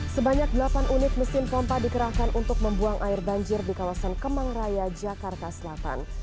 sebanyak delapan unit mesin pompa dikerahkan untuk membuang air banjir di kawasan kemang raya jakarta selatan